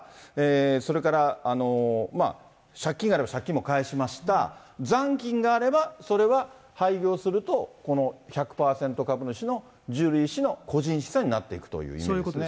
それから借金があれば借金も返しました、残金があればそれは廃業するとこの１００％株主の、ジュリー氏の個人資産になっていくということですね。